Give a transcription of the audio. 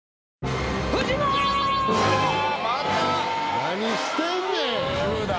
何してんねん！